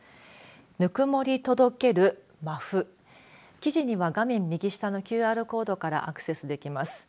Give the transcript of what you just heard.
ぬくもり届けるマフ記事には画面右下のＱＲコードからアクセスできます。